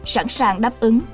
sẵn sàng đáp ứng